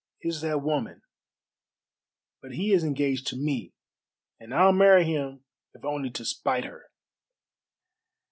"It is that woman. But he is engaged to me, and I'll marry him if only to spite her."